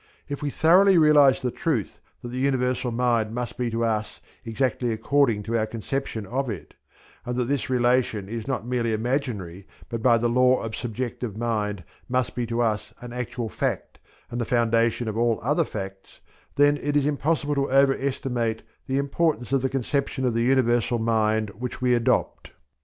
If we thoroughly realize the truth that the Universal Mind must be to us exactly according to our conception of it, and that this relation is not merely imaginary but by the law of subjective mind must be to us an actual fact and the foundation of all other facts, then it is impossible to over estimate the importance of the conception of the Universal Mind which we adopt.